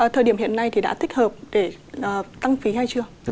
thời điểm hiện nay thì đã tích hợp để tăng phí hay chưa